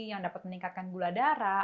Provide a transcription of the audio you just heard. yang dapat meningkatkan gula darah